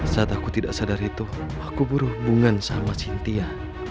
saat aku tidak sadar itu aku berhubungan sama sintia